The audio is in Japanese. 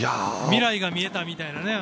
未来が見えたみたいな。